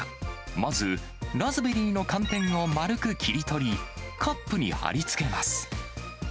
まずラズベリーの寒天を丸く切り取り、カップに貼り付けます。